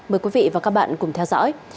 mời quý vị và các bạn cùng theo dõi